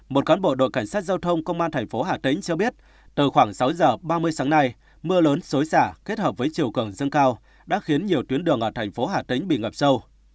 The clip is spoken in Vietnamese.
một cán bộ đội cảnh sát giao thông công an thành phố hà tĩnh cho biết từ khoảng sáu giờ ba mươi sáng nay mưa lớn xối xả kết hợp với chiều cường dâng cao đã khiến nhiều tuyến đường ở thành phố hà tĩnh bị ngập sâu